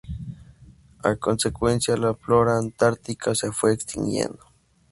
A consecuencia la flora antártica se fue extinguiendo.